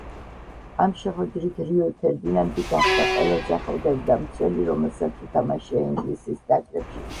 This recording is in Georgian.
ამ შეხვედრით რიო ფერდინანდი გახდა ყველაზე ახალგაზრდა მცველი, რომელსაც უთამაშია ინგლისის ნაკრებში.